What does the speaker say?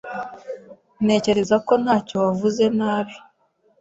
Ntekereza ko ntacyo wavuze nabi